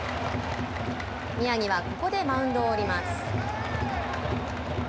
宮城はここでマウンドを降ります。